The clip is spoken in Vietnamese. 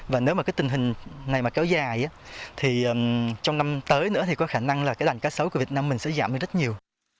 và nếu mà cái tình hình này mà kéo dài thì trong năm tới nữa thì có khả năng là cái làng cá sấu của việt nam mình sẽ giảm hơn rất nhiều